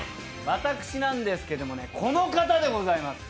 私なんですけれどもねこの方でございます。